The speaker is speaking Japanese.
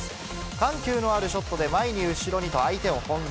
緩急のあるショットで、前に後ろにと相手を翻弄。